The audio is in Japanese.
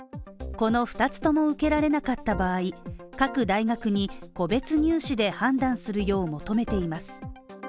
この二つとも受けられなかった場合、各大学に個別入試で判断するよう求めています。